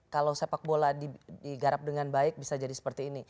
kalau sepak bola digarap dengan baik bisa jadi seperti ini